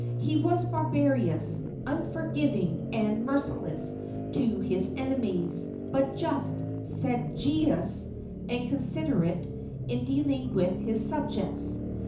He was barbarous, unforgiving and merciless to his enemies, but just, sagacious and considerate in dealing with his subjects.